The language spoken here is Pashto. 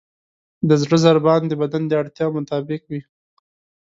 د زړه ضربان د بدن د اړتیاوو مطابق وي.